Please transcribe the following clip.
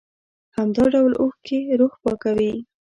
همدا ډول اوښکې روح پاکوي.